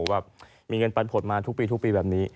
แบบมีเงินปันผลมาทุกปีทุกปีแบบนี้